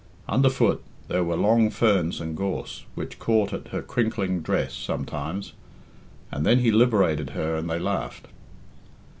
Underfoot there were long ferns and gorse, which caught at her crinkling dress sometimes, and then he liberated her and they laughed.